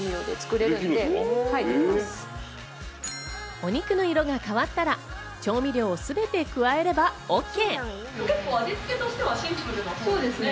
お肉の色が変わったら、調味料をすべて加えればＯＫ。